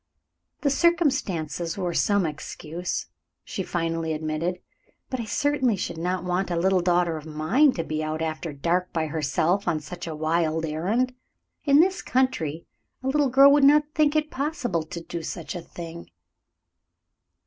"The circumstances were some excuse," she finally admitted. "But I certainly should not want a little daughter of mine to be out after dark by herself on such a wild errand. In this country a little girl would not think it possible to do such a thing."